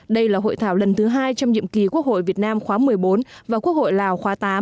đây là hội thảo lần thứ hai trong nhiệm kỳ quốc hội việt nam khóa một mươi bốn và quốc hội lào khóa tám